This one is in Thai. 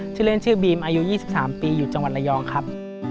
ชื่อเล่นชื่อบีมอายุ๒๓ปีอยู่จังหวัดระยองครับ